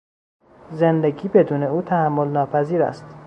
زندگی بدون او، تحملناپذیر است.